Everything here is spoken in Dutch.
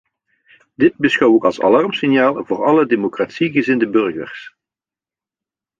Dit beschouw ik als alarmsignaal voor alle democratiegezinde burgers.